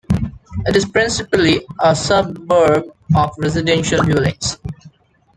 It is principally a suburb of residential dwellings.